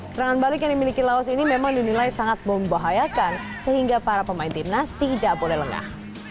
serangan balik yang dimiliki laos ini memang dinilai sangat membahayakan sehingga para pemain timnas tidak boleh lengah